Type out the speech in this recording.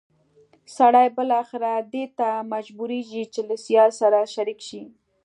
سړی بالاخره دې ته مجبورېږي چې له سیال سره شریک شي.